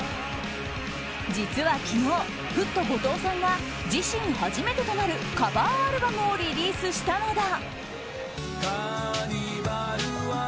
実は昨日、フット後藤さんが自身初めてとなるカバーアルバムをリリースしたのだ。